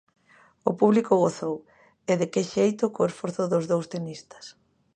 O público gozou, e de que xeito, co esforzo dos dous tenistas.